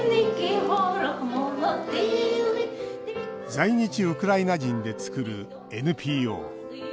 在日ウクライナ人で作るＮＰＯ。